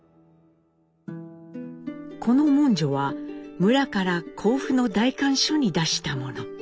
この文書は村から甲府の代官所に出したもの。